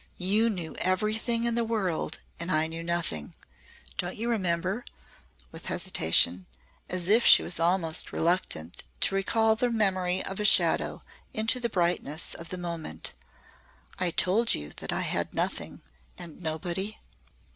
You knew everything in the world and I knew nothing. Don't you remember," with hesitation as if she were almost reluctant to recall the memory of a shadow into the brightness of the moment "I told you that I had nothing and nobody?"